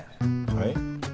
はい？